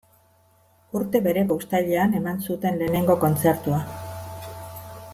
Urte bereko uztailean eman zuten lehenengo kontzertua.